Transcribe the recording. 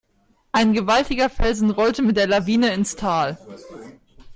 Ein gewaltiger Felsen rollte mit der Lawine ins Tal.